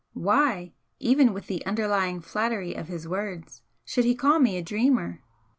Why, even with the underlying flattery of his words, should he call me a dreamer?